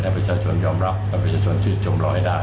ประชาชนยอมรับกับประชาชนชื่นชมเราให้ได้